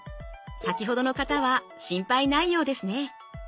先ほどの方は心配ないようですね。